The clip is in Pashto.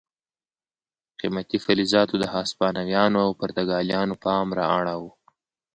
قیمتي فلزاتو د هسپانویانو او پرتګالیانو پام را اړاوه.